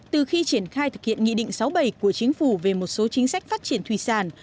từ khi triển khai thực hiện nghị định sáu bảy của chính phủ về một số chính sách phát triển thủy sản